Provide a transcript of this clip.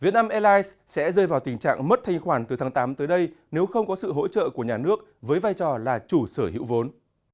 việt nam airlines sẽ rơi vào tình trạng mất thanh khoản từ tháng tám tới đây nếu không có sự hỗ trợ của nhà nước với vai trò là chủ sở hữu vốn